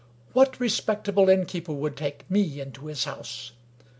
What respectable inn keeper would take me into his house?